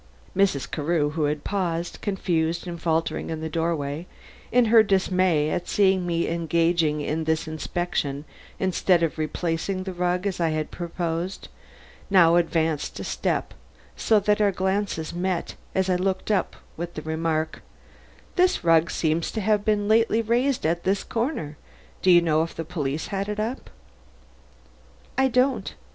Mrs. Carew, who had paused, confused and faltering in the doorway, in her dismay at seeing me engaged in this inspection instead of in replacing the rug as I had proposed, now advanced a step, so that our glances met as I looked up with the remark: "This rug seems to have been lately raised at this corner. Do you know if the police had it up?" "I don't.